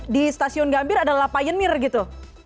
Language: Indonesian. di stasiun gambir adalah payen mir gitu